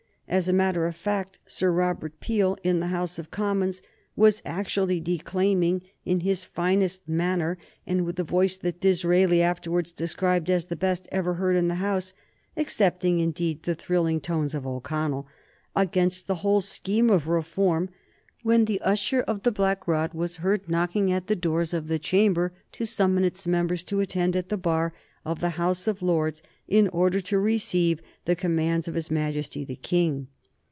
As a matter of fact, Sir Robert Peel, in the House of Commons, was actually declaiming, in his finest manner, and with a voice that Disraeli afterwards described as the best ever heard in the House, excepting indeed "the thrilling tones of O'Connell," against the whole scheme of reform, when the Usher of the Black Rod was heard knocking at the doors of the Chamber to summon its members to attend at the bar of the House of Lords, in order to receive the commands of his Majesty the King.